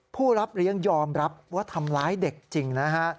ผู้รับเลี้ยงยอมรับว่าทำร้ายเด็กจริงนะฮะ